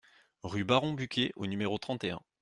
Rue Baron Buquet au numéro trente et un